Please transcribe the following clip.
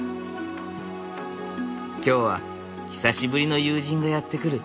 今日は久しぶりの友人がやって来る。